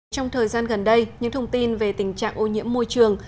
trong thời gian gần đây những thông tin về tình trạng ô nhiễm môi trường